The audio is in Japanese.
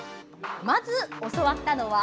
まず、教わったのは。